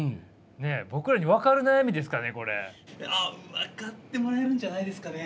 分かってもらえるんじゃないですかね。